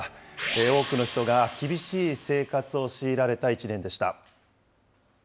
多くの人が厳しい生活を強いられた１年でした。